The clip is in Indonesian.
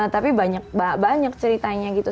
tapi banyak ceritanya gitu